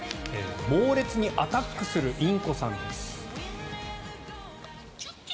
猛烈にアタックするインコさんです。